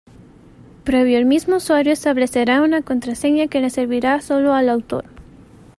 Previo el mismo usuario establecerá una contraseña que le servirá solo al autor.